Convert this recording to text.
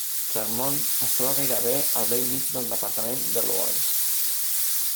Clermont es troba gairebé al bell mig del departament de l'Oise.